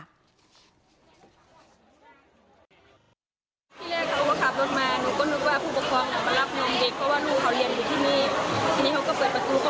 พี่เล็กเขาก็ขับรถมาหนูก็นุดว่าผู้ปกครองมารับนมเด็ก